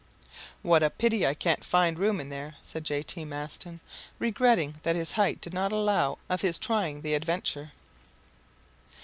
"What a pity I can't find room in there," said J. T. Maston, regretting that his height did not allow of his trying the adventure.